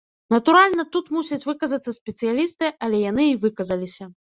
Натуральна, тут мусяць выказацца спецыялісты, але яны і выказаліся.